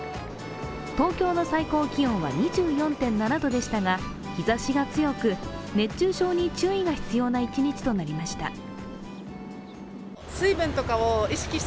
東京の最高気温は２４．７度でしたが日ざしが強く、熱中症に注意が必要な一日となりました。